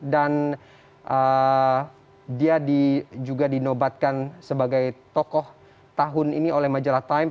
dan dia juga dinobatkan sebagai tokoh tahun ini oleh majalah time